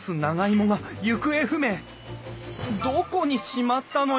どこにしまったのよ